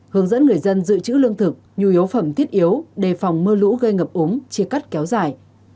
hướng dẫn người dân dự trữ lương thực nhu yếu phẩm thiết yếu đề phòng mưa lũ gây ngập ống chia cắt kéo dài